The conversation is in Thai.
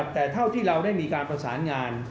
แต่เท่าที่เราได้มีการประสานงาน